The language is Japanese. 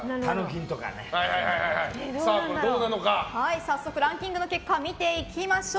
早速ランキングの結果見ていきましょう。